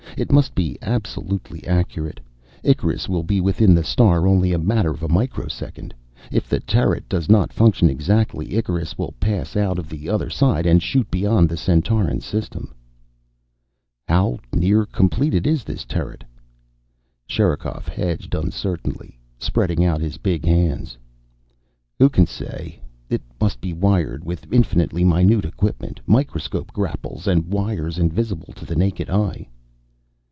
It must be absolutely accurate. Icarus will be within the star only a matter of a microsecond. If the turret does not function exactly, Icarus will pass out the other side and shoot beyond the Centauran system." "How near completed is this turret?" Sherikov hedged uncertainly, spreading out his big hands. "Who can say? It must be wired with infinitely minute equipment microscope grapples and wires invisible to the naked eye."